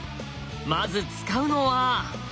まず使うのは。